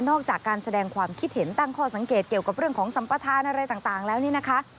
จากการแสดงความคิดเห็นตั้งข้อสังเกตเกี่ยวกับเรื่องของสัมปทานอะไรต่างแล้วนี่นะคะ